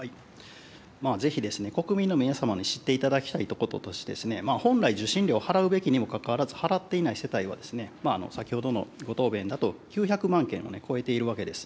ぜひ国民の皆様に知っていただきたいこととしてですね、本来受信料を払うべきにもかかわらず、払っていない世帯は、先ほどのご答弁だと、９００万件を超えているわけです。